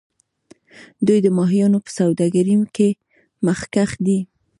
دوی د ماهیانو په سوداګرۍ کې مخکښ دي.